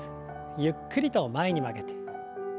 ゆっくりと前に曲げて。